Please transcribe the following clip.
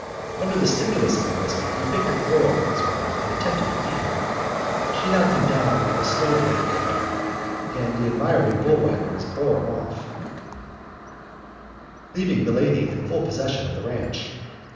Under the stimulus of the whisky he picked a quarrel with his wife and attempted to beat her. She knocked him down with a stove lid lifter, and the admiring bull whackers bore him off, leaving the lady in full possession of the ranch.